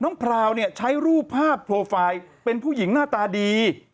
น้องพราวใช้รูปภาพโปรไฟล์เป็นผู้หญิงหน้าตาดี